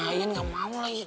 emak yang gak mau lagi